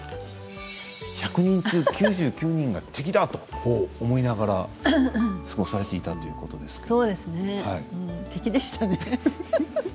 １００人中９９人が敵だと思いながら過ごされていたということですね。